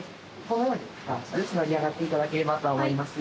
このように片足ずつ乗り上がっていただければと思います。